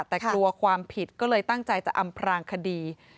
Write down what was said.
แต่กลัวความผิดก็เลยตั้งใจจะอำพรางคดี